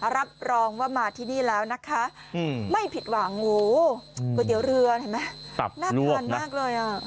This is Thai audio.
รับรองว่ามาที่นี่แล้วนะคะไม่ผิดหว่างหมูก๋วยเตี๋ยวเรือน่าทานมากเลย